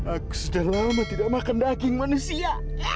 aku sudah lama tidak makan daging manusia